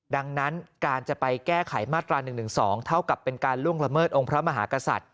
ดังนั้นการจะไปแก้ไขมาตรา๑๑๒เท่ากับเป็นการล่วงละเมิดองค์พระมหากษัตริย์